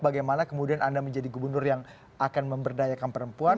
bagaimana kemudian anda menjadi gubernur yang akan memberdayakan perempuan